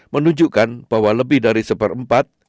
menunjukkan bahwa lebih dari seperempat